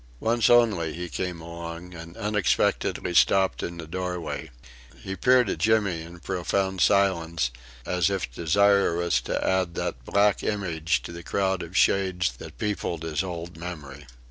Once only he came along, and unexpectedly stopped in the doorway. He peered at Jimmy in profound silence, as if desirous to add that black image to the crowd of Shades that peopled his old memory.